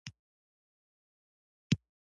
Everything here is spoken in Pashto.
چې شېر افضل د امیر په لاس کې لوبیږي.